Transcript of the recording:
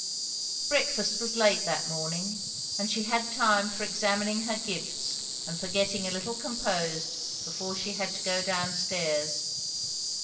Breakfast was late that morning, and she had time for examining her gifts and for getting a little composed before she had to go down stairs.